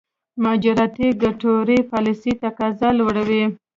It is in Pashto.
مهاجرتي ګټورې پالېسۍ تقاضا لوړوي.